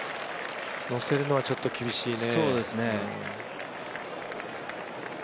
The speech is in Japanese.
のせるのはちょっと厳しいね。